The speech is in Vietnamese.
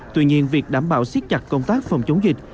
tuy nhiên việc đảm bảo siết chặt công tác phòng chống dịch